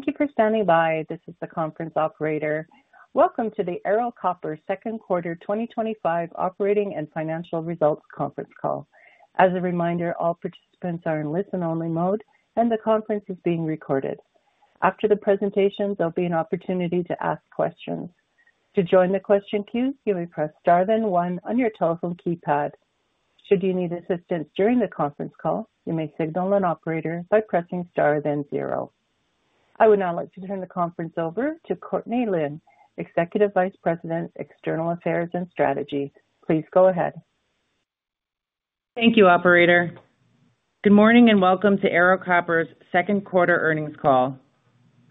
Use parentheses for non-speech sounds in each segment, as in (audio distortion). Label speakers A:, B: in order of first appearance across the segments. A: Thank you for standing by. This is the conference operator. Welcome to the Ero Copper second quarter 2025 operating and financial results conference call. As a reminder, all participants are in listen-only mode and the conference is being recorded. After the presentation, there'll be an opportunity to ask questions. To join the question queue, you may press star then one on your telephone keypad. Should you need assistance during the conference call, you may signal an operator by pressing star then zero. I would now like to turn the conference over to Courtney Lynn, Executive Vice President, External Affairs and Strategy. Please go ahead.
B: Thank you, operator. Good morning and welcome to Ero Copper Corp.'s second quarter earnings call.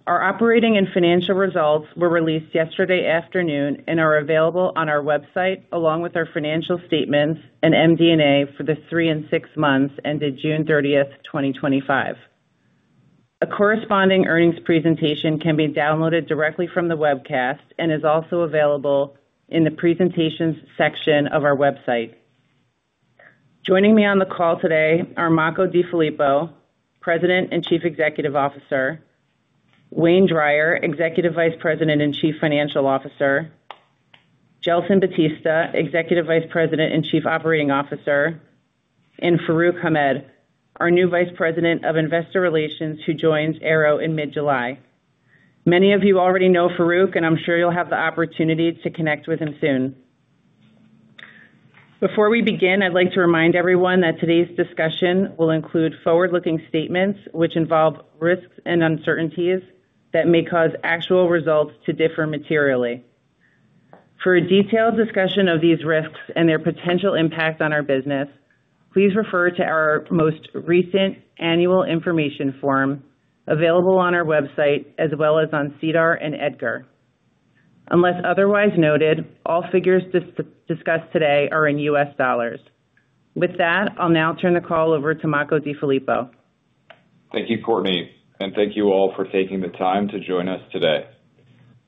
B: Our operating and financial results were released yesterday afternoon and are available on our website along with our financial statements and MD&A for the three and six months ended June 30th, 2025. A corresponding earnings presentation can be downloaded directly from the webcast and is also available in the Presentations section of our website. Joining me on the call today are Makko DeFilippo, President and Chief Executive Officer, Wayne Drier, Executive Vice President and Chief Financial Officer, Gelson Batista, Executive Vice President and Chief Operating Officer, and Farooq Hamed, our new Vice President of Investor Relations who joins Ero in mid-July. Many of you already know Farooq and I'm sure you'll have the opportunity to connect with him soon. Before we begin, I'd like to remind everyone that today's discussion will include forward-looking statements which involve risks and uncertainties that may cause actual results to differ materially. For a detailed discussion of these risks and their potential impact on our business, please refer to our most recent annual information form available on our website as well as on SEDAR and EDGAR. Unless otherwise noted, all figures discussed today are in U.S. dollars. With that, I'll now turn the call over to Makko DeFilippo.
C: Thank you, Courtney, and thank you all for taking the time to join us today.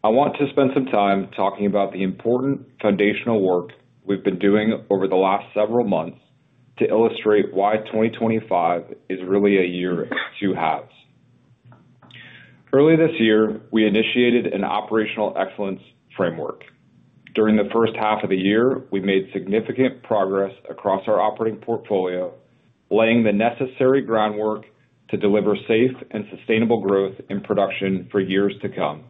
C: I want to spend some time talking about the important foundational work we've been doing over the last several months to illustrate why 2025 is really a year of two halves. Early this year, we initiated an Operational Excellence Framework. During the first half of the year, we made significant progress across our operating portfolio, laying the necessary groundwork to deliver safe and sustainable growth in production for years to come.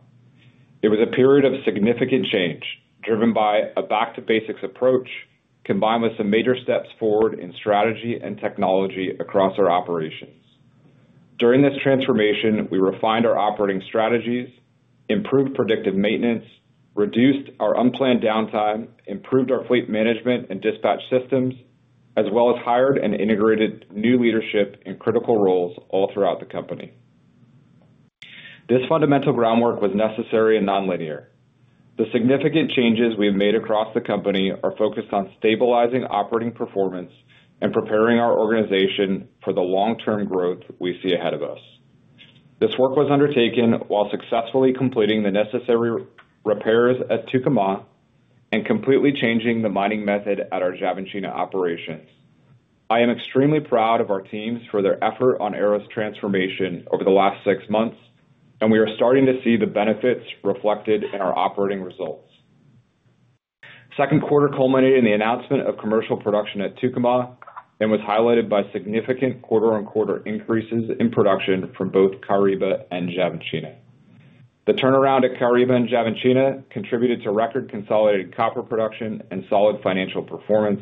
C: It was a period of significant change driven by a back-to-basics approach combined with some major steps forward in strategy and technology across our operations. During this transformation, we refined our operating strategies, improved predictive maintenance, reduced our unplanned downtime, improved our fleet management and dispatch systems, as well as hired and integrated new leadership in critical roles all throughout the company. This fundamental groundwork was necessary and nonlinear. The significant changes we have made across the company are focused on stabilizing operating performance and preparing our organization for the long-term growth we see ahead of us. This work was undertaken while successfully completing the necessary repairs at Tucumã and completely changing the mining method at our Xavantina Operations. I am extremely proud of our teams for their effort on Ero's transformation over the last six months, and we are starting to see the benefits reflected in our operating results. Second quarter culminated in the announcement of commercial production at Tucumã and was highlighted by significant quarter-over-quarter increases in production from both Caraíba and Xavantina. The turnaround at Caraíba and Xavantina contributed to record consolidated copper production and solid financial performance,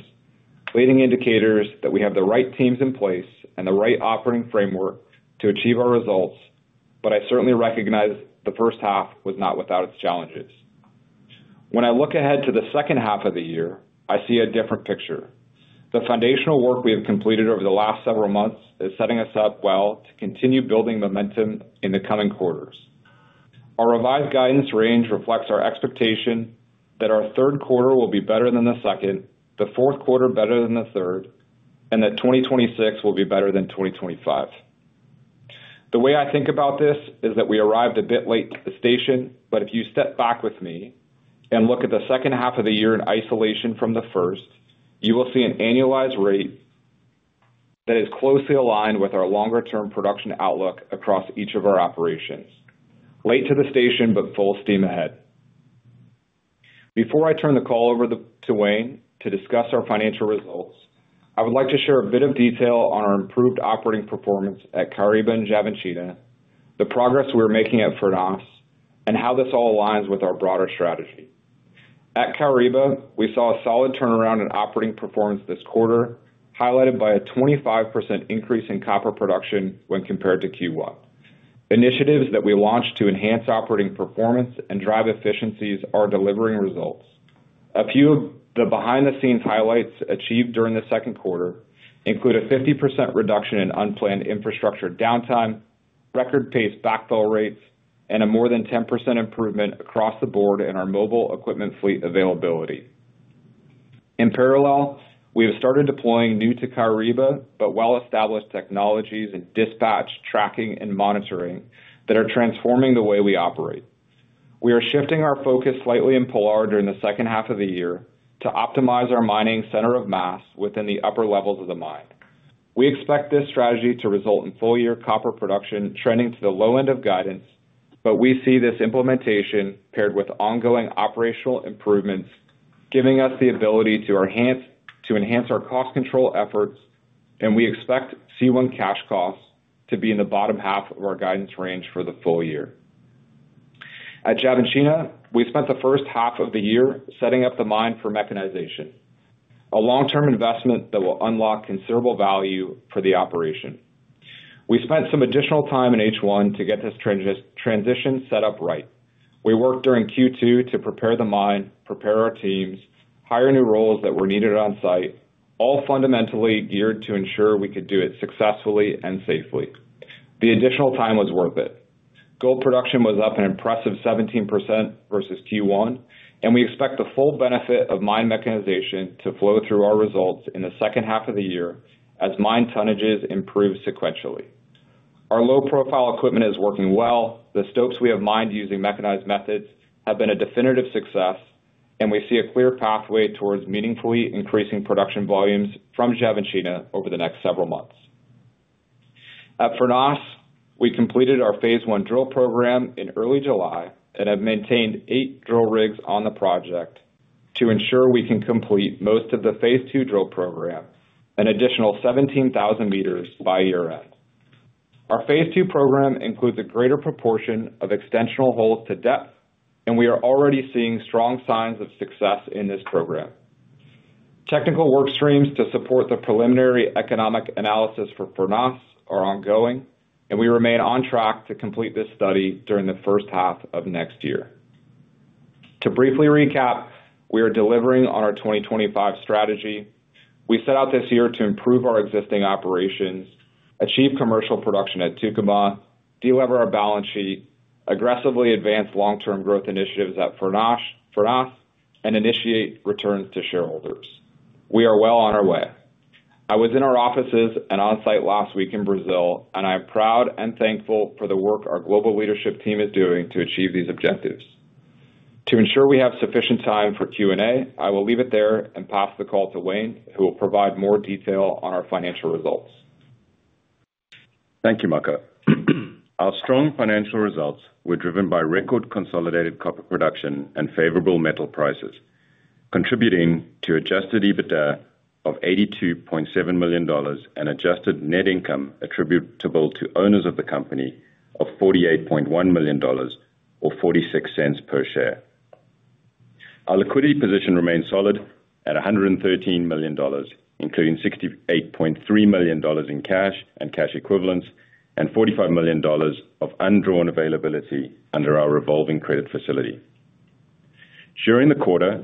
C: leading indicators that we have the right teams in place and the right operating framework to achieve our results. I certainly recognize the first half was not without its challenges. When I look ahead to the second half of the year, I see a different picture. The foundational work we have completed over the last several months is setting us up well to continue building momentum in the coming quarters. Our revised guidance range reflects our expectation that our third quarter will be better than the second, the fourth quarter better than the third, and that 2026 will be better than 2025. The way I think about this is that we arrived a bit late to the station, but if you step back with me and look at the second half of the year in isolation from the first, you will see an annualized. Rate that is closely aligned with ours. Longer term production outlook across each of our operations. Late to the station but full steam ahead. Before I turn the call over to Wayne to discuss our financial results, I would like to share a bit of detail on our improved operating performance at Caraíba and Xavantina, the progress we're making at Furnas, and how this all aligns with our broader strategy at Caraíba. We saw a solid turnaround in operating performance this quarter, highlighted by a 25% increase in copper production when compared to Q1. Initiatives that we launched to enhance operating performance and drive efficiencies are delivering results. A few of the behind the scenes highlights achieved during the second quarter include a 50% reduction in unplanned infrastructure downtime, record pace backfill rates, and a more than 10% improvement across the board in our mobile equipment fleet availability. In parallel, we have started deploying new to Caraíba but well established technologies in dispatch tracking and monitoring that are transforming the way we operate. We are shifting our focus slightly in Caraíba during the second half of the year to optimize our mining center of mass within the upper levels of the mine. We expect this strategy to result in full year copper production trending to the low end of guidance, and we see this implementation paired with ongoing operational improvements giving us the ability to enhance our cost control efforts. We expect C1 cash costs to be in the bottom half of our guidance range for the full year. At Xavantina, we spent the first half of the year setting up the mine for mechanization, a long term investment that will unlock considerable value for the operation. We spent some additional time in H1 to get this transition set up right. We worked during Q2 to prepare the mine, prepare our teams, hire new roles that were needed on site, all fundamentally geared to ensure we could do it successfully and safely. The additional time was worth it. Gold production was up an impressive 17% versus Q1, and we expect the full benefit of mine mechanization to flow through our results in the second half of the year as mine tonnages improve sequentially. Our low profile equipment is working well. The stopes we have mined using mechanized methods have been a definitive success, and we see a clear pathway towards meaningfully increasing production volumes from Xavantina over the next several months. At Furnas, we completed our phase I drill program in early July and have maintained eight drill rigs on the project to ensure we can complete most of the phase II drill program, an additional 17,000 meters, by year end. Our phase II program includes a greater proportion of extensional holes to depth, and we are already seeing strong signs of success in this program. Technical work streams to support the preliminary economic assessment for Furnas are ongoing, and we remain on track to complete this study during the first half of next year. To briefly recap, we are delivering on our 2025 strategy. We set out this year to improve our existing operations, achieve commercial production at Tucumã, delever our balance sheet, aggressively advance long-term growth initiatives at Furnas, and initiate returns to shareholders. We are well on our way. I was in our offices and on site last week in Brazil, and I am proud and thankful for the work our global leadership team is doing to achieve these objectives. To ensure we have sufficient time for Q&A, I will leave it there and pass the call to Wayne, who will provide more detail on our financial results.
D: Thank you, Makko. Our strong financial results were driven by record consolidated copper production and favorable metal prices, contributing to adjusted EBITDA of $82.7 million and adjusted net income attributable to owners of the company of $48.1 million, or $0.46 per share. Our liquidity position remains solid at $113 million, including $68.3 million in cash and cash equivalents and $45 million of undrawn availability under our revolving credit facility. During the quarter,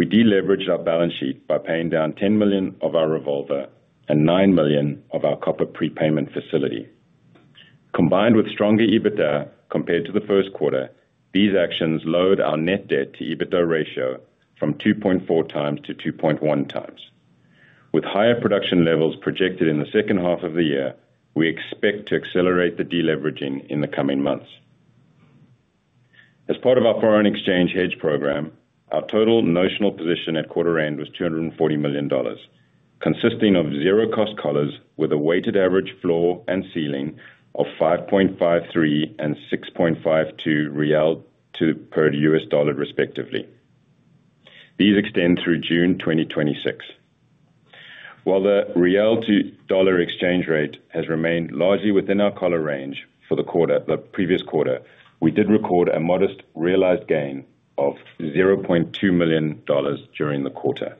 D: we deleveraged our balance sheet by paying down $10 million of our revolver and $9 million of our copper prepayment facility. Combined with stronger EBITDA compared to the first quarter, these actions lowered our net debt to EBITDA ratio from 2.4 times to 2.1 times. With higher production levels projected in the second half of the year, we expect to accelerate the deleveraging in the coming. Months as part of our foreign exchange hedge program. Our total notional position at quarter end was $240 million, consisting of zero-cost copper collars with a weighted average floor and ceiling of 5.53 and 6.52 real per U.S. dollar, respectively. These extend through June 2026. While the real to dollar exchange rate has remained largely within our collar range for the quarter, the previous quarter we did record a modest realized gain of $0.2 million during the quarter.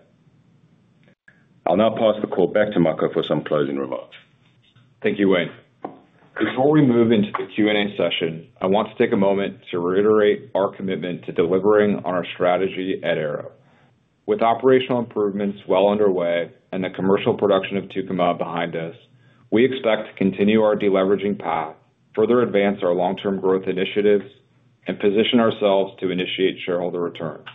D: I'll now pass the call back to Makko for some closing remarks.
C: Thank you, Wayne. Before we move into the Q and A session, I want to take a moment to reiterate our commitment to delivering on our strategy at Ero. With operational improvements well underway and the commercial production of Tucumã behind us, we expect to continue our deleveraging path, further advance our long term growth initiatives, and position ourselves to initiate shareholder returns.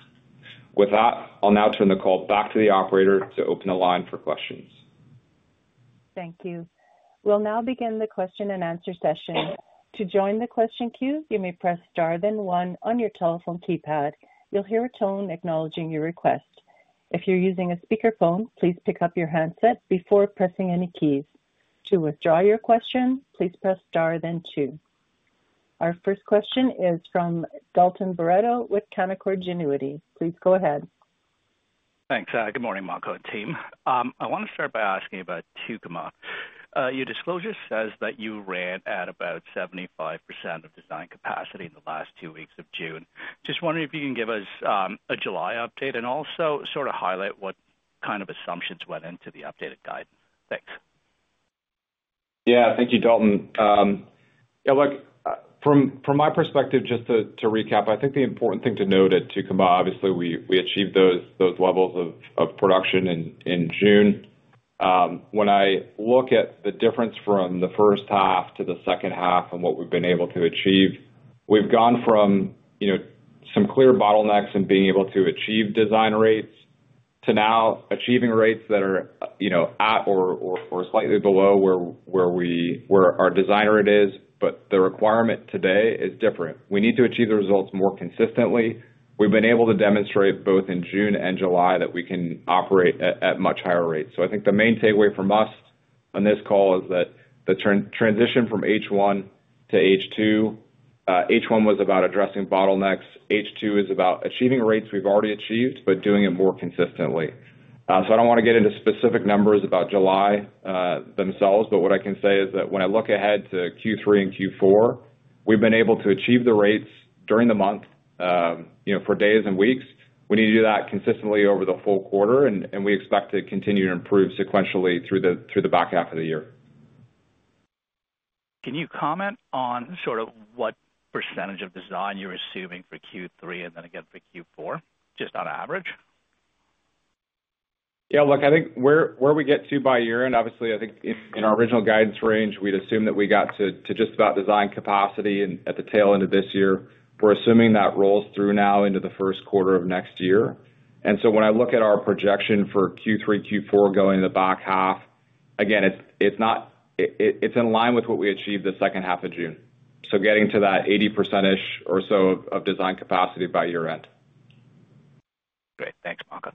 C: With that, I'll now turn the call back to the operator to open the line for questions.
A: Thank you. We'll now begin the question and answer session. To join the question queue, you may. Press star then 1 on your telephone keypad, you'll hear a tone acknowledging your request. If you're using a speakerphone, please pick up your handset before pressing any keys. To withdraw your question, please press star then two. Our first question is from Dalton Baretto with Canaccord Genuity. Please go ahead.
E: Thanks. Good morning, Makko team. I want to start by asking you about Tucumã. Your disclosure says that you ran at about 75% of design capacity in the last two weeks of June. Just wondering if you can give us a July update and also sort of highlight what kind of assumptions went into the updated guidance. Thanks.
C: Yeah, thank you, Dalton. From my perspective, just to recap, I think the important thing to note at Tucumã, obviously, we achieved those levels of production in June. When I look at the difference from the first half to the second half and what we've been able to achieve, we've gone from some clear bottlenecks and being able to achieve design rates to now achieving rates that are at or slightly below where our design rate is. The requirement today is different. We need to achieve the results more consistently. We've been able to demonstrate both in June and July that we can operate at much higher rates. I think the main takeaway from us on this call is that the transition from H1 to H2, H1 was about addressing bottlenecks. H2 is about achieving rates we've already achieved, but doing it more consistently. I don't want to get into specific numbers about July themselves, but what I can say is that when I look ahead to Q3 and Q4, we've been able to achieve the rates during the month, you know, for days and weeks. We need to do that consistently over the full quarter, and we expect to continue to improve sequentially through the back half of the year.
E: Can you comment on sort of what percentage of design you're assuming for Q3 and then again for Q4, just on average?
C: Yeah, look, I think where we get to by year end, obviously, I think in our original guidance range, we'd assume that we got to just about design capacity at the tail end of this year. We're assuming that rolls through now into the first quarter of next year. When I look at our projection for Q3, Q4 going in the back half again, it's in line with what we achieved the second half of June. Getting to that 80% or so of design capacity by year end.
E: Great. Thanks, Makko.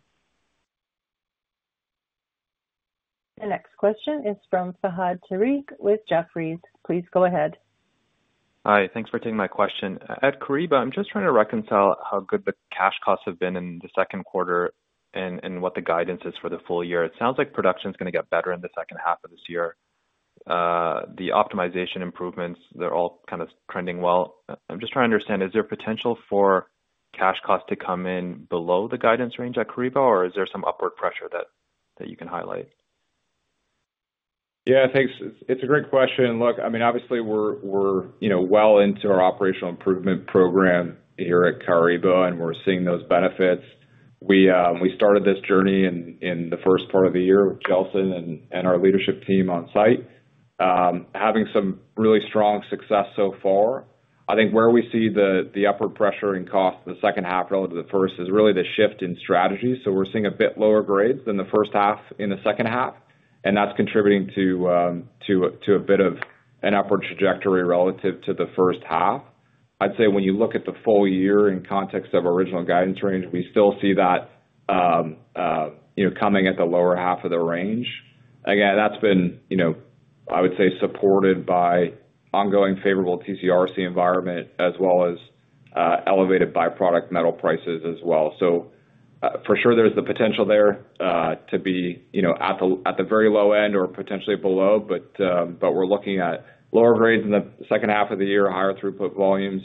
A: The next question is from Fahad Tariq with Jefferies. Please go ahead.
F: Hi. Thanks for taking my question. At Caraíba I'm just trying to reconcile how good the cash costs have been in the second quarter and what the guidance is for the full year. It sounds like production is going to get better in the second half of this year. The optimization improvements, they're all kind of trending. I'm just trying to understand, is there potential for cash cost to come in below the guidance range at Caraíba, or is there some upward pressure that you can highlight?
C: Yeah, thanks. It's a great question. Look, I mean, obviously we're well into our operational improvement program here at Caraíba, and we're seeing those benefits. We started this journey in the first part of the year with Gelson and our leadership team on site, having some really strong success so far. I think where we see the upward pressure in cost, the second half relative to the first is really the shift in strategy. We're seeing a bit lower grades than the first half in the second half, and that's contributing to a bit of an upward trajectory relative to the first half. I'd say when you look at the full year in context of original guidance range, we still see that coming at the lower half of the range. Again, that's been, I would say, supported by ongoing favorable TCRC environment as well as elevated byproduct metal prices as well. For sure there's the potential there to be at the very low end or potentially below. We're looking at lower grades in the second half of the year, higher throughput volumes,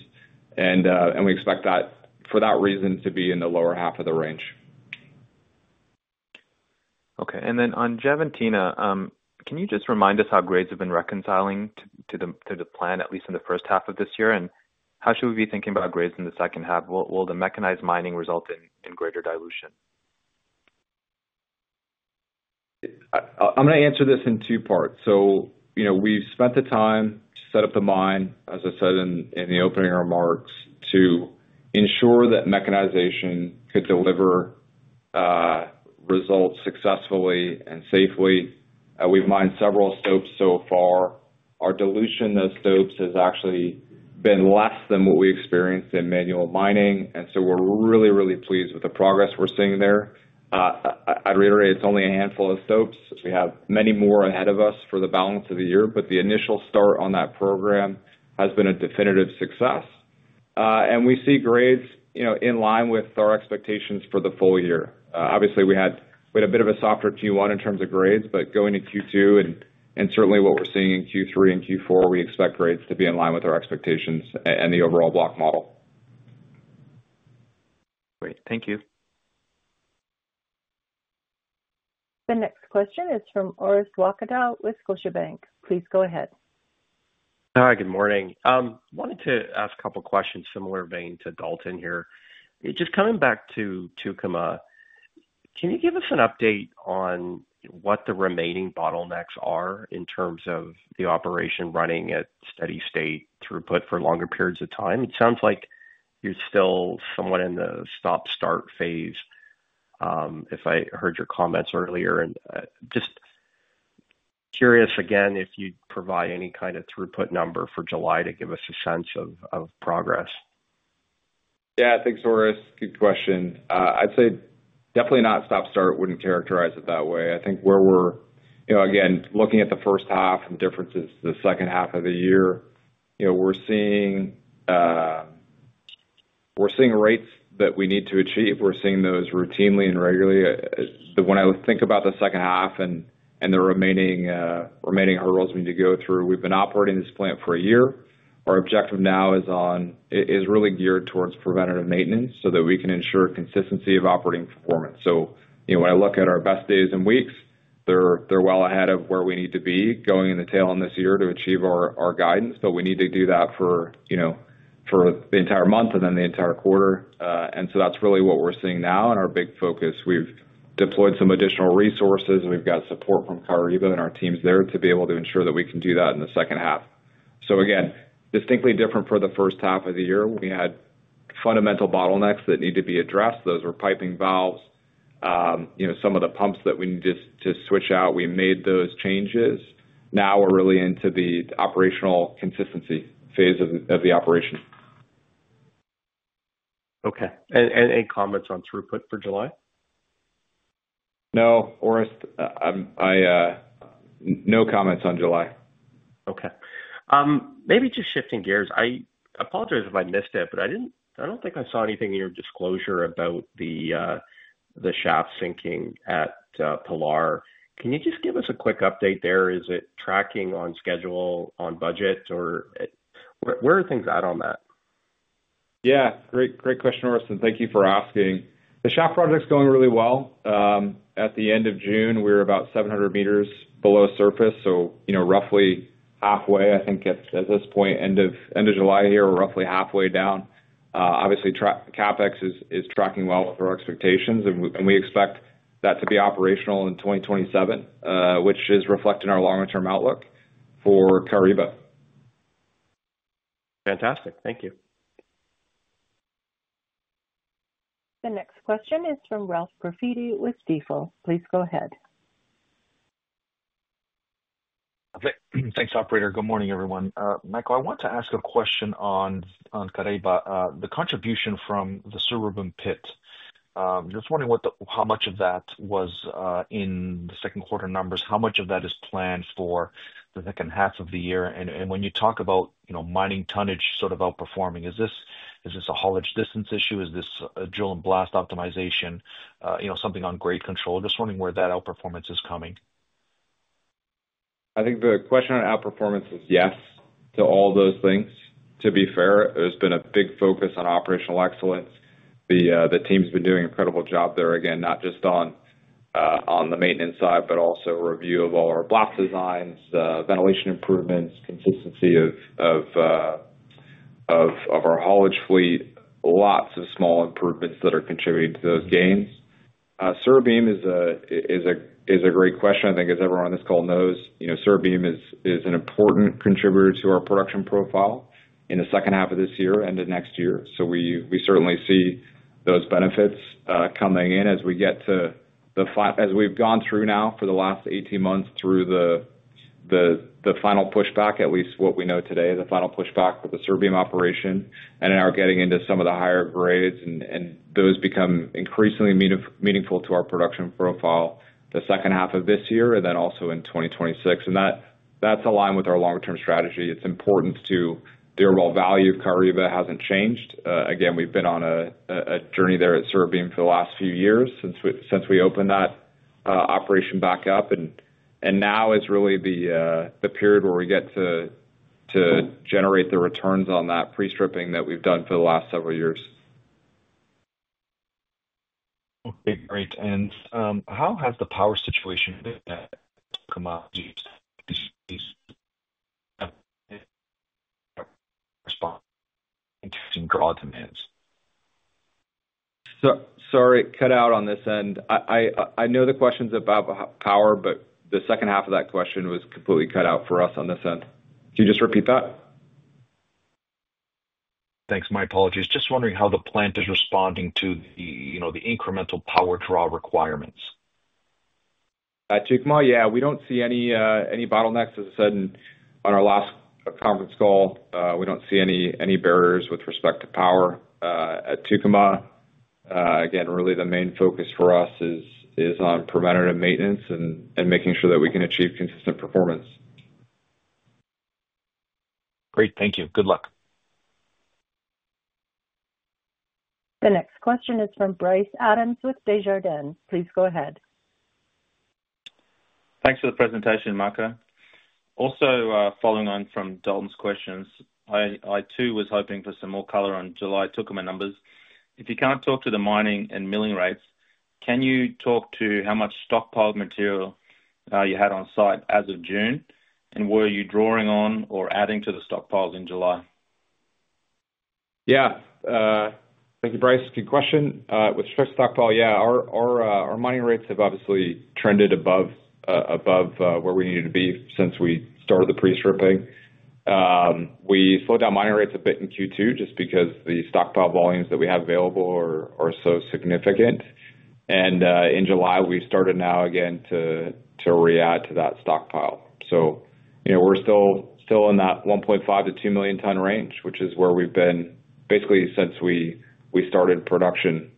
C: and we expect that for that reason to be in the lower half of the range.
F: Okay, and then on Xavantina, can you just remind us how grades have been reconciling to the plan, at least in the first half of this year? How should we be thinking about grades in the second half? Will the mechanized mining result in greater dilution?
C: I'm going to answer this in two parts. We've spent the time to set up the mine, as I said in the opening remarks, to ensure that mechanization could deliver results successfully and safely. We've mined several stopes so far. Our dilution of stopes has actually been less than what we experienced in manual mining, and we're really, really pleased with the progress we're seeing there. I'd reiterate, it's only a handful of stopes. We have many more ahead of us for the balance of the year, but the initial start on that program has been a definitive success. We see grades in line with our expectations for the full year. Obviously, we had quite a bit of a softer Q1 in terms of grades, but going into Q2 and certainly what we're seeing in Q3 and Q4, we expect grades to be in line with our expectations and the overall block model.
E: Great. Thank you.
A: The next question is from Orest Wowkodaw with Scotiabank. Please go ahead.
G: Hi, good morning. Wanted to ask a couple questions similar vein to Dalton here. Just coming back to Tucumã. Can you give us an update on what the remaining bottlenecks are in terms of the operation running at steady state throughput for longer periods of time? It sounds like you're still somewhat in the stop start phase, if I heard your comments earlier, and just curious again if you'd provide any kind of throughput number for July to give us a sense of progress.
C: Yeah, thanks, Orest. Good question. I'd say definitely not stop start. Wouldn't characterize it that way. I think where we're again looking at the first half and differences to the second half of the year, we're seeing rates that we need to achieve. We're seeing those routinely and regularly. When I think about the second half and the remaining hurdles we need to go through, we've been operating this plant for a year. Our objective now is really geared towards preventative maintenance so that we can ensure consistency of operating performance. When I look at our best days and weeks, they're well ahead of where we need to be going in the tail end this year to achieve our guidance. We need to do that for the entire month and then the entire quarter. That's really what we're seeing now. Our big focus, we've deployed some additional resources. We've got support from Caraiba and our teams there to be able to ensure that we can do that in the second half. Again, distinctly different for the first half of the year, we had fundamental bottlenecks that need to be addressed. Those were piping valves, some of the pumps that we need to switch out. We made those changes. Now we're really into the operational consistency phase of the operation.
G: Okay, any comments on throughput for July?
C: No, Orest. No comments on July.
G: Okay. Maybe just shifting gears. I apologize if I missed it, but I don't think I saw anything in your disclosure about the shaft sinking at Pilar. Can you just give us a quick update there? Is it tracking on schedule, on budget, or where are things at on that?
C: Yeah, great, great question, Orest. Thank you for asking. The shaft project's going really well. At the end of June we're about 700 meters below surface. You know, roughly halfway, I think at this point. End of July here, we're roughly halfway down. CapEx is tracking well with our expectations, and we expect that to be operational in 2027, which is reflecting our longer term outlook for Caraíba.
G: Fantastic. Thank you.
A: The next question is from Ralph Profiti with Stifel. Please go ahead.
H: Thanks, operator. Good morning, everyone. Makko, I want to ask a question. On Caraíba, the contribution from the Cerebrum pit. Just wondering how much of that was in the second quarter numbers, how much of that is planned for the second half of the year? When you talk about, you know mining tonnage, sort of outperforming, is this a haulage distance issue? Is this a drill and blast optimization, something on grade control? Just wondering where that outperformance is coming from.
C: I think the question on outperformance is yes to all those things. To be fair, there's been a big focus on operational excellence. The team's been doing incredible job there, not just on the maintenance side, but also review of all our block designs, ventilation improvements, consistency of our Haulage fleet, lots of small improvements that are contributing to those gains. Surubim is a great question. I think, as everyone on this call knows, Surubim is an important contributor to. Our production profile in the second half. Of this year and the next year. We certainly see those benefits coming in as we get to the, as we've gone through now for the last 18 months, through the final pushback, at least what we know today, the final pushback for the Caraíba operation and are getting into some of the higher grades and those become increasingly meaningful to our production profile the second half of this year and then also in 2026. That's aligned with our long term strategy. It's important to the overall value of Caraíba, hasn't changed. We've been on a journey there at Caraíba for the last few years since we opened that operation back up. Now is really the period where we get to generate the returns on that pre-stripping that we've done for the last several years.
H: Okay, great. How has the power situation? (audio distortion)
C: Sorry, cut out on this end. I know the question's about power, but the second half of that question was completely cut out for us on this end. Can you just repeat that?
H: Thanks. My apologies. Just wondering how the plant is responding to the incremental power draw requirements
C: At Tucumã. Yeah, we don't see any bottlenecks. As I said on our last conference call, we don't see any barriers with respect to power at Tucumã. Again, really, the main focus for us is on preventative maintenance and making sure that we can achieve consistent performance.
H: Great, thank you. Good luck.
A: The next question is from Bryce Adams with Desjardins. Please go ahead.
I: Thanks for the presentation, Makko. Also, following on from Dalton's questions, I too was hoping for some more color on July Tucumã numbers. If you can't talk to the mining and milling rates, can you talk to how much stockpiled material you had on site as of June, and were you drawing on or adding to the stockpile in July?
C: Thank you, Bryce. Good question with stockpile. Our mining rates have obviously trended above where we needed to be since we started the pre-stripping. We slowed down mining rates a bit in Q2 just because the stockpile volumes that we have available are so significant. In July, we started now again to re-add to that stockpile. We're still in that 1.5 to 2 million ton range, which is where we've been basically since we started production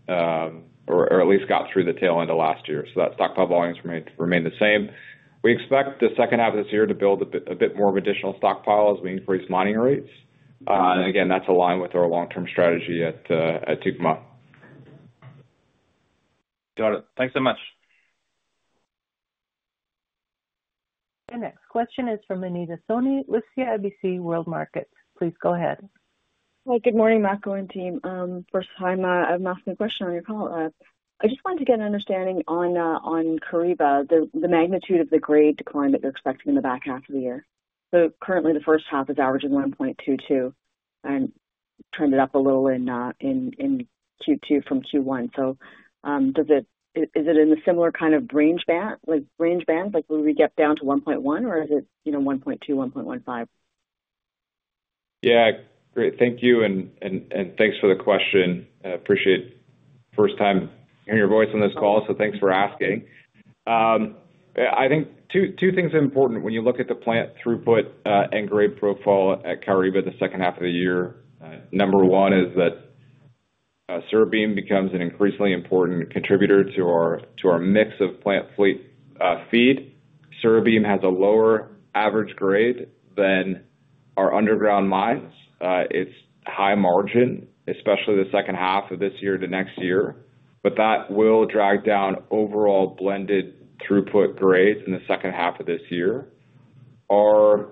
C: or at least got through the tail end of last year, so that stockpile volumes remain the same. We expect the second half of this year to build a bit more of additional stockpile as we increase mining rates. Again, that's aligned with our long-term strategy at Tucumã.
I: Got it. Thanks so much.
A: Next question is from Anita Soni with CIBC World Markets. Please go ahead.
J: Good morning Makko and team. First time I'm asking a question on your call. I just wanted to get an understanding. On Caraíba, the magnitude of the grade decline that you're expecting in the back half of the year. Currently, the first half is averaging 1.22 and turned it up a little. In Q2 from Q1. Does it. Is it in the similar kind of range band, like range bands, like when we get down to 1.1, or is it, you know, 1.2, 1.15?
C: Yeah. Great, thank you and thanks for the question. Appreciate first time hearing your voice on this call, so thanks for asking. I think two things are important when you look at the plant throughput and grade profile at Caraíba the second half of the year. Number one is that Surubim becomes an increasingly important contributor to our mix of plant feed. Surubim has a lower average grade than our underground mines. It's high margin, especially the second half of this year to next year. That will drag down overall blended throughput grades in the second half of this year. Our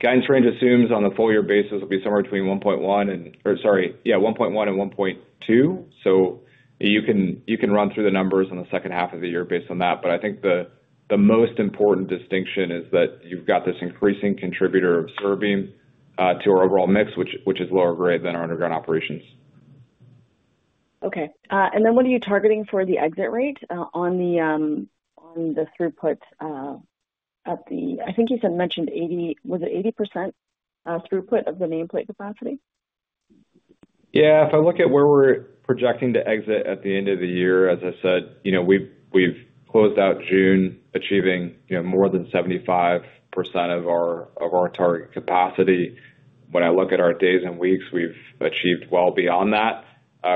C: guidance range assumes on a full year basis we will be somewhere between 1.1 and 1.2. You can run through the numbers on the second half of the year based on that. I think the most important distinction is that you've got this increasing contributor of Surubim to our overall mix, which is lower grade than our underground operations.
J: Okay, what are you targeting for the exit rate on the throughput? I think you mentioned 80% was it 80% throughput of the nameplate capacity?
C: Yeah. If I look at where we're projecting to exit at the end of the year, as I said, we've closed out June achieving more than 75% of our target capacity. When I look at our days and weeks, we've achieved well beyond that.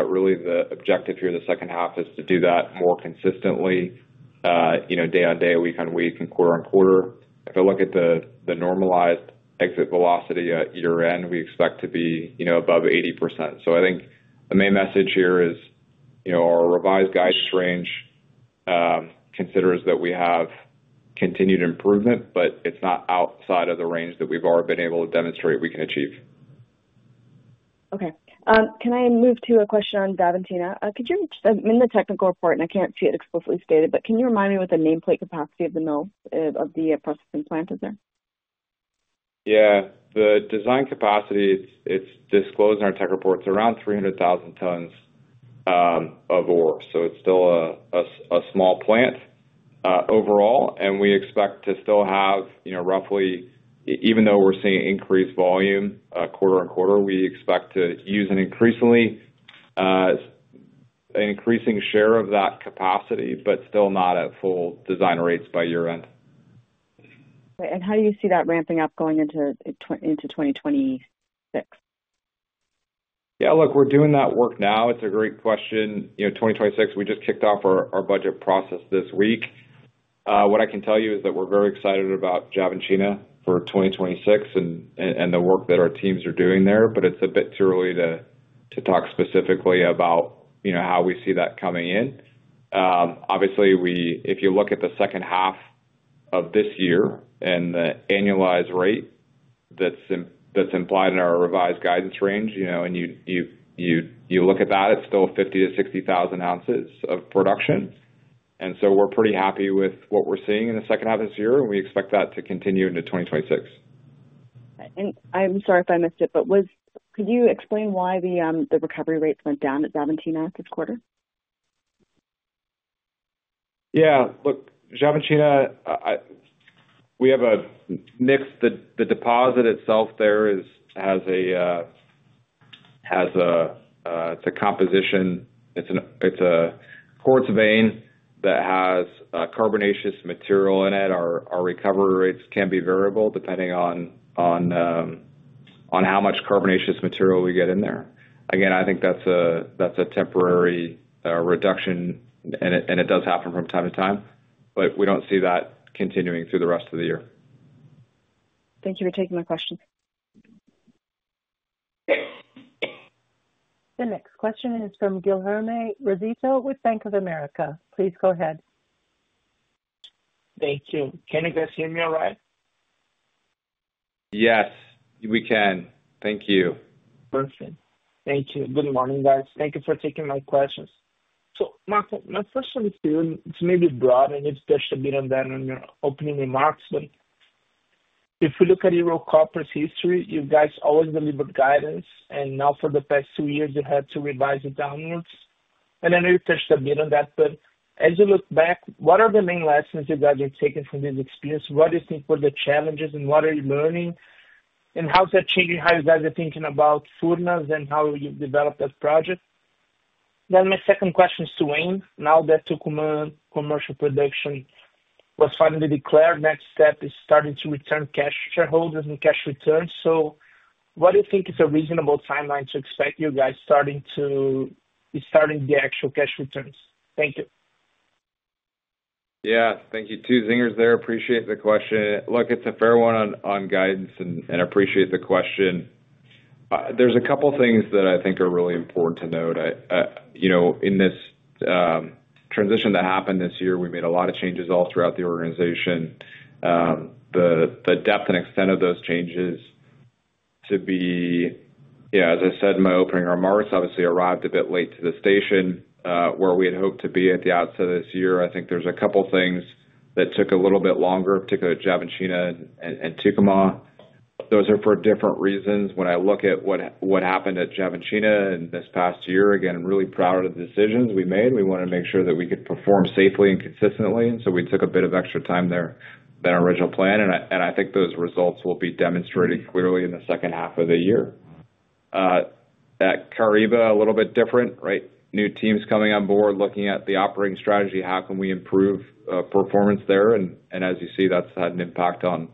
C: Really, the objective here in the second half is to do that more consistently, day on day, week on week, and quarter on quarter. If I look at the normalized exit velocity at year end, we expect to be above 80%. I think the main message here is our revised guidance range considers that we have continued improvement, but it's not outside of the range that we've already been able to demonstrate we can achieve.
J: Okay, can I move to a question on Xavantina? Could you. I'm in the technical report, and I can't see it explicitly stated, but can you remind me what the nameplate capacity of the mill, of the processing plant, is there?
C: Yeah, the design capacity, it's disclosed in our tech reports, around 300,000 tons of ore. It's still a small plant overall. We expect to still have, you know, roughly. Even though we're seeing increased volume quarter-over-quarter, we expect to use an increasingly increasing share of that capacity, but still not at full design rates by year end.
J: How do you see that ramping up going into 2026?
C: Yeah, look, we're doing that work now. It's a great question. You know, 2026. We just kicked off our budget process this week. What I can tell you is that we're very excited about Xavantina for 2026 and the work that our teams are doing there. It's a bit too early to talk specifically about, you know, how we see that coming in. Obviously, if you look at the second half of this year and the annualized rate that's implied in our revised guidance range, you know, and you look at that, it's still 50,000 to 60,000 ounces of production. We're pretty happy with what we're seeing in the second half of this year, and we expect that to continue into 2026.
J: I'm sorry if I missed it. Could you explain why the recovery rates went down at 17 this quarter?
C: Yeah, look, Xavantina, we have a mix. The deposit itself has a composition. It's a quartz vein that has carbonaceous material in it. Our recovery rates can be variable depending on how much carbonaceous material we get in there. Again, I think that's a temporary reduction and it does happen from time to time, but we don't see that continuing through the rest of the year.
J: Thank you for taking my question.
A: The next question is from Guilherme Rosito with Bank of America. Please go ahead.
K: Thank you. Can you guys hear me all right?
C: Yes, we can. Thank you.
K: Thank you. Good morning, guys. Thank you for taking my questions. Makko, my first one is maybe broad and it's touched a bit on that, on your opening remarks. If we look at Ero Copper's history, you guys always deliver guidance. For the past two years you've had to revise it downwards and I know you touched a bit on that. As you look back, what are the main lessons you guys are taking from this experience? What do you think were the challenges and what are you learning and how's that changing how you guys are thinking about Furnas and how you develop that project? My second question is to Wayne. Now that commercial production was finally declared, next step is starting to return cash to shareholders and cash returns. What do you think is a reasonable timeline to expect you guys starting the actual cash returns? Thank you.
C: Yeah, thank you. Two zingers there. Appreciate the question. Look, it's a fair one on guidance and appreciate the question. There's a couple things that I think are really important to note in this transition that happened this year. We made a lot of changes all throughout the organization, the depth and extent of those changes. To be, as I said, in my opening remarks, obviously arrived a bit late to the station where we had hoped to be at the outset of this year. I think there's a couple things that took a little bit longer, particularly at Xavantina and Tucumã. Those are for different reasons. When I look at what happened at Xavantina in this past year, again, I'm really proud of the decisions we made. We wanted to make sure that we could perform safely and consistently. We took a bit of extra time there than our original plan. I think those results will be demonstrated clearly in the second half of the year. At Caraíba, a little bit different, right? New teams coming on board, looking at the operating strategy. How can we improve performance there? And as you see, that's had an impact on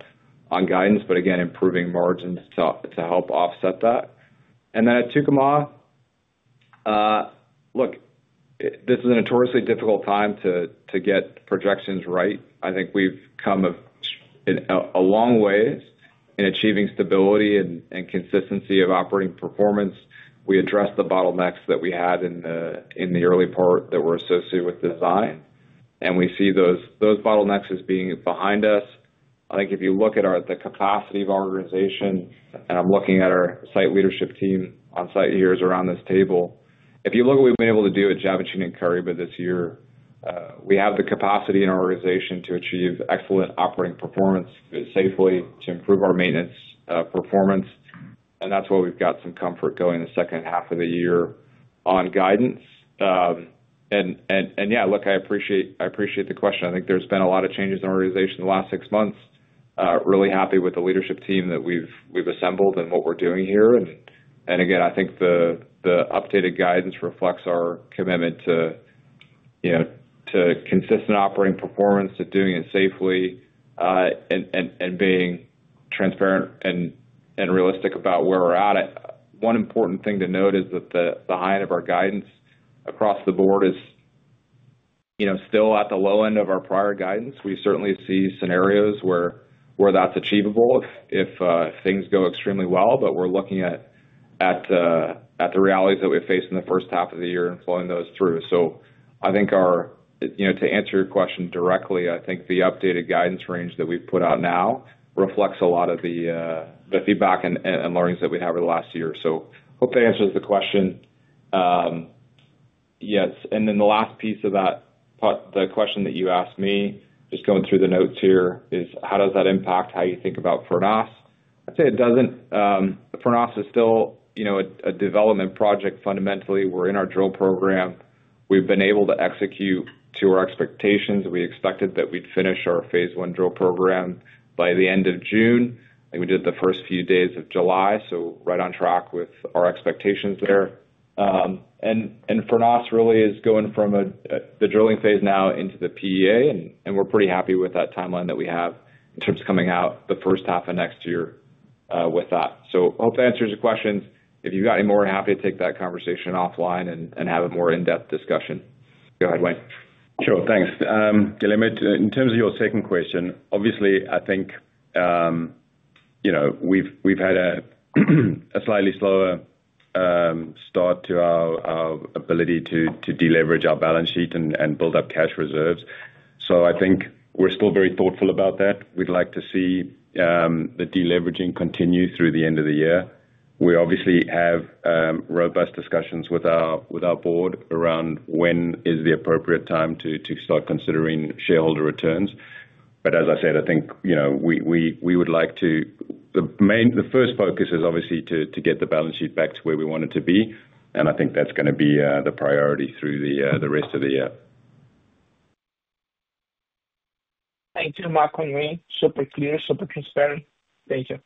C: guidance, but again, improving margins to help offset that. At Tucumã look, this is a notoriously difficult time to get projections right. I think we've come a long way in achieving stability and consistency of operating performance. We addressed the bottlenecks that we had in the early part that were associated with design, and we see those bottlenecks as being behind us. I think if you look at the capacity of our organization, and I'm looking at our site leadership team on site here around this table, if you look at what we've been able to do at Caraíba and Tucumã this year, we have the capacity in our organization to achieve excellent operating performance safely, to improve our maintenance performance. That's why we've got some comfort going into the second half of the year on guidance. I appreciate the question. I think there's been a lot of changes in the organization the last six months. Really happy with the leadership team that we've assembled and what we're doing here. I think the updated guidance reflects our commitment to consistent operating performance, to doing it safely and being transparent and realistic about where we're at. One important thing to note is that the height of our guidance across the. Board is still at the low end of our prior guidance. We certainly see scenarios where that's achievable if things go extremely well. We're looking at the realities that we face in the first half of the year and flowing those through. I think our, you know, to answer your question directly, I think the updated guidance range that we've put out now reflects a lot of the feedback and learnings that we have over the last year. Hope that answers the question. Yes. The last piece of that, the question that you asked me, just going through the notes here, is how does that impact how you think about Furnas? I'd say it doesn't. Furnas is still a development project. Fundamentally, we're in our drill program. We've been able to execute to our expectations. We expected that we'd finish our phase I drill program by the end of June. We did the first few days of July, right on track with our expectations there. Furnas really is going from the drilling phase now into the preliminary economic assessment, and we're pretty happy with that timeline that we have in terms of coming out the first half of next year with that. Hope that answers your questions. If you've got any more, I'm happy to take that conversation offline and have. A more in-depth discussion. Go ahead, Wayne.
D: Sure. Thanks. Guilherme. In terms of your second question, I think we've had a slightly slower start to our ability to deleverage our balance sheet and build up cash reserves. I think we're still very thoughtful about that. We'd like to see the deleveraging continue through the end of the year. We obviously have robust discussions with our board around when is the appropriate time to start considering shareholder returns. As I said, I think we would like to. The main, the first focus is obviously to get the balance sheet back to where we want it to be. I think that's going to be the priority through the rest of the year.
K: Thank you, Makko and Wayne, super clear, super transparent. Thank you.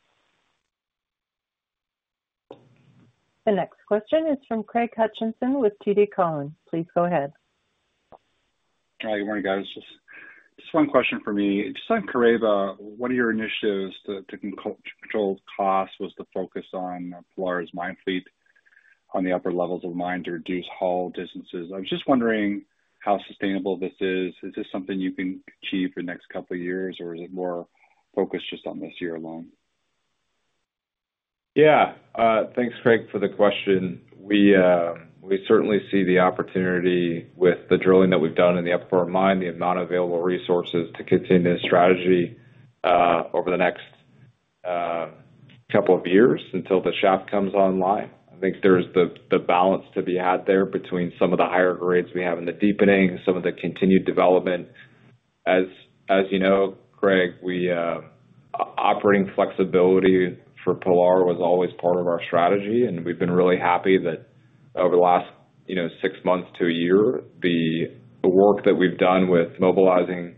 A: The next question is from Craig Hutchison with TD Cowen. Please go ahead.
L: Hi, good morning guys. Just one question for me. Just on Caraíba, one of your initiatives to control costs was the focus on the Pilar mine fleet on the upper levels of the mine to reduce haul distances. I was just wondering how sustainable this is. Is this something you can achieve? Next couple years or is it more? Focused just on this year alone?
C: Yeah, thanks Craig for the question. We certainly see the opportunity with the drilling that we've done in the upper part of mine, the amount of available resources to continue strategy over the next couple of years until the shaft comes online. I think there's the balance to be had there between some of the higher grades we have in the deepening, some of the continued development. As you know, Craig, operating flexibility for Pilar was always part of our strategy and we've been really happy that over the last six months to a year the work that we've done with mobilizing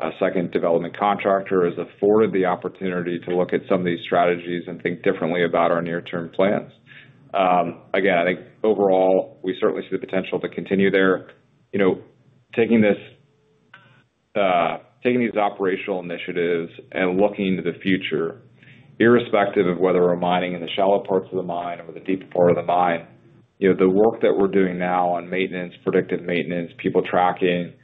C: a second development contractor has afforded the opportunity to look at some of these strategies and think differently about our near-term plans. I think overall we certainly see the potential to continue there taking these operational initiatives and looking into the future. Irrespective of whether we're mining in the shallow parts of the mine or the deep part of the mine. The work that we're doing now on maintenance, predictive maintenance, people tracking,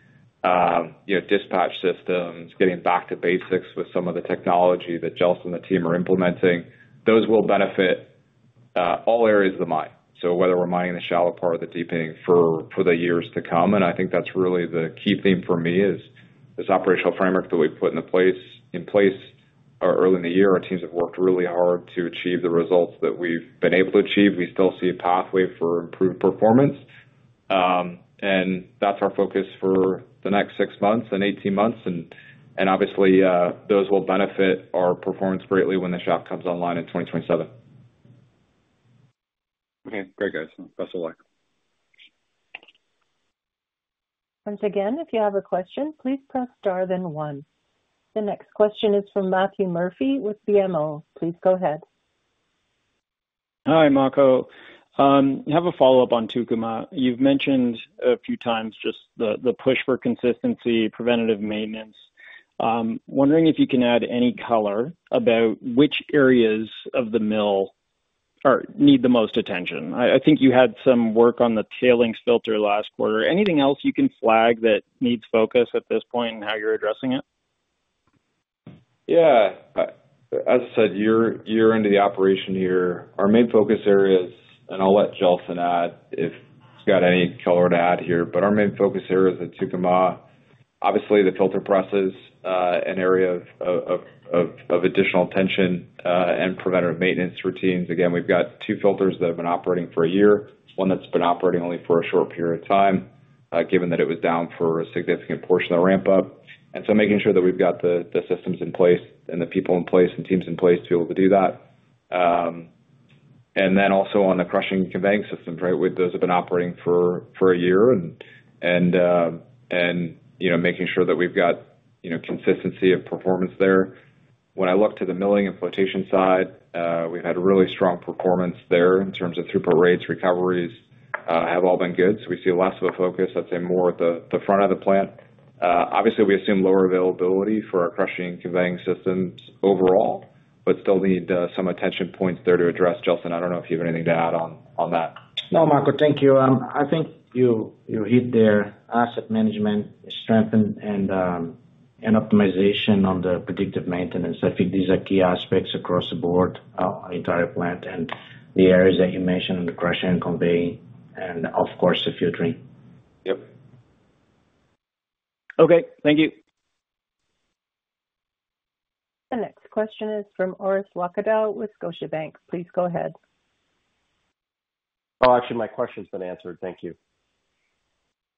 C: dispatch systems, getting back to basics with some of the technology that Gelson and the team are implementing, those will benefit all areas of the mine. Whether we're mining the shallow part or the deepening for the years to come, I think that's really the key theme for me, this operational framework that we've put in place early in the year. Our teams have worked really hard to achieve the results that we've been able to achieve. We still see a pathway for improved performance and that's our focus for the next six months and 18 months. Obviously, those will benefit our performance greatly when the shop comes online in 2027.
L: Okay, great guys. Best of luck.
A: Once again, if you have a question, please press star then one. The next question is from Matthew Murphy with BMO. Please go ahead.
M: Hi Makko. Have a follow-up on Tucumã. You've mentioned a few times just the push for consistency, preventative maintenance. Wondering if you can add any color about which areas of the mill need the most attention. I think you had some work on the tailings filter last quarter. Anything else you can flag that needs focus at this point and how you're addressing it?
C: Yeah, as I said, year end of the operation year, our main focus areas, and I'll let Gelson add if he's got any color to add here. Our main focus areas at Tucumã, obviously the filter presses, an area of additional attention and preventative maintenance routines. We've got two filters that have been operating for a year, one that's been operating only for a short period of time given that it was down for a significant portion of the ramp up. Making sure that we've got the systems in place and the people in place and teams in place to be able to do that. Also on the crushing conveying systems, right, those have been operating for a year and making sure that we've got consistency of performance there. When I look to the milling and flotation side, we've had really strong performance there in terms of throughput rates. Recoveries have all been good. We see less of a focus, I'd say, more at the front of the plant. Obviously, we assume lower availability for our crushing conveying systems overall but still need some attention points there to address. Gelson, I don't know if you have anything to add on that.
N: No, Makko, thank you. I think you hit there. Asset management strengthen and optimization on the predictive maintenance. I think these are key aspects across the board, entire plant, and the areas that you mentioned in the crush and convey and, of course, the filtering.
C: Yep.
M: Okay, thank you.
A: The next question is from Orest Wowkodaw, Scotiabank. Please go ahead.
G: Oh, actually my question's been answered. Thank you.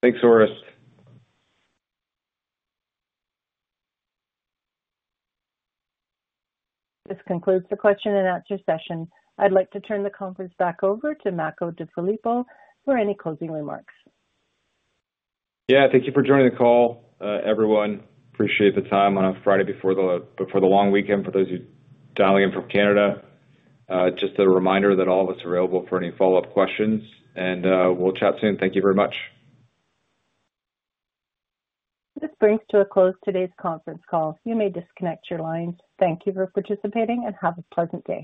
C: Thanks Orest.
A: This concludes the question and answer session. I'd like to turn the conference back over to Makko DeFilippo for any closing remarks.
C: Thank you for joining the call, everyone. Appreciate the time on a Friday before the long weekend. For those of you dialing in from Canada, just a reminder that all of us are available for any follow up questions and we'll chat soon. Thank you very much.
A: This brings to a close today's conference call. You may disconnect your lines. Thank you for participating and have a pleasant day.